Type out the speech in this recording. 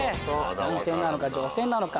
男性なのか女性なのか。